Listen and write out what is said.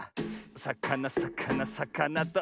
さかなさかなさかなと。